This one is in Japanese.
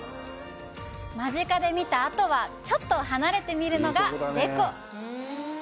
間近で見たあとはちょっと離れて見るのが、レコ！